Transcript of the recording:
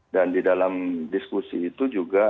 dan di dalam diskusi itu juga